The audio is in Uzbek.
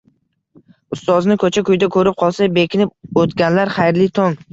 Ustozini ko'cha-kuyda ko'rib qolsa bekinib o'tganlar, xayrli tong!